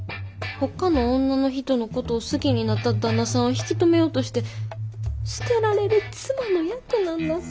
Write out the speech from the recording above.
ほかの女の人のことを好きになった旦那さんを引き止めようとして捨てられる妻の役なんだす。